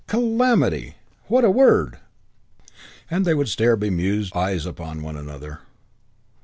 Calamity! What a word!" And they would stare bemused eyes upon one another.